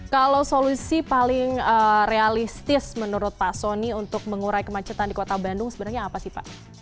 kalau solusi paling realistis menurut pak soni untuk mengurai kemacetan di kota bandung sebenarnya apa sih pak